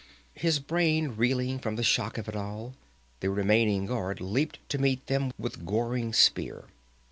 His brain reeling from the shock of it all, the remaining guard leaped to meet them with goring spear.